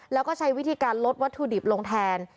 แล้วก็ใช้วิธีการลดวัตถุดิบลงแทน